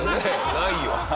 ないよ。